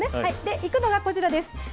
行くのがこちらです。